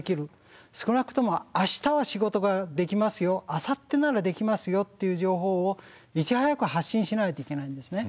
少なくとも明日は仕事ができますよあさってならできますよっていう情報をいち早く発信しないといけないんですね。